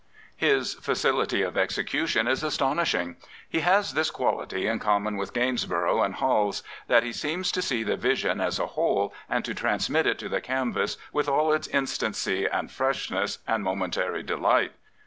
His facility of execution is astonishing. He has this quality in common with Gainsborough and Hals, that he seems to see the vision as a whole and to transmit it to the canvas with all its instancy and freshness and momentary delight.